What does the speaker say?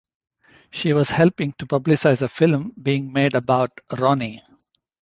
She was helping to publicise a film being made about Ronnie.